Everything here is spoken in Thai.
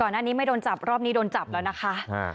อันนี้ไม่โดนจับรอบนี้โดนจับแล้วนะคะ